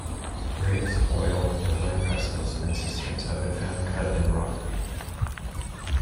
Graves, oil or vine -presses, and cisterns have been found cut in rock.